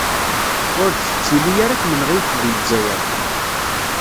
Ur d-tettili ara tmenɣiwt di Zzayer.